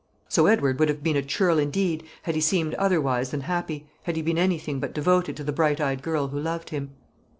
So Edward would have been a churl indeed had he seemed otherwise than happy, had he been anything but devoted to the bright girl who loved him.